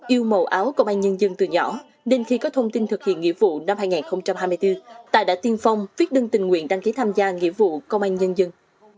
yêu màu áo công an nhân dân từ nhỏ nên khi có thông tin thực hiện nghĩa vụ năm hai nghìn hai mươi bốn tài đã tiên phong viết đơn tình nguyện đăng ký tham gia nghĩa vụ công an nhân dân